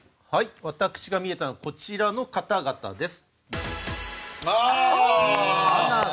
私がみえたのはこちらの方々です。